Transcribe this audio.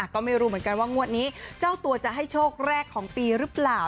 ก็ไม่รู้เหมือนกันว่างวดนี้เจ้าตัวจะให้โชคแรกของปีหรือเปล่า